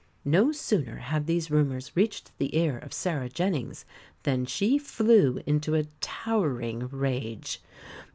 No sooner had these rumours reached the ear of Sarah Jennings than she flew into a towering rage.